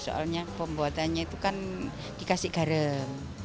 soalnya pembuatannya itu kan dikasih garam